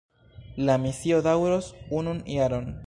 La misio daŭros unun jaron.